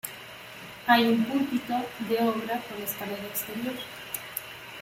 Hay un púlpito de obra con escalera exterior.